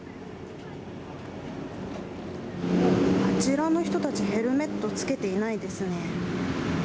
あちらの人たち、ヘルメット着けていないですね。